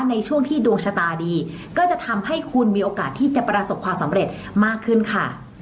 ในช่วงที่ดวงชะตาดีก็จะทำให้คุณมีโอกาสที่จะประสบความสำเร็จมากขึ้นค่ะ